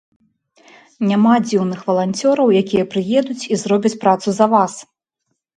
Няма дзіўных валанцёраў, якія прыедуць і зробяць працу за вас.